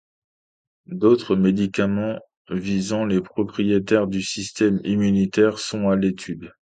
D'autres médicaments visant les propriétés du système immunitaire sont à l'étude.